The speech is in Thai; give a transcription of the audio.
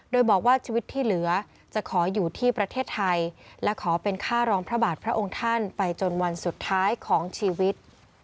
โดยบอกว่าชีวิตที่เหลือจะขออยู่ที่ประเทศไทยและขอเป็นค่ารองพระบาทพระองค์ท่านไปจนวันสุดท้ายของชีวิต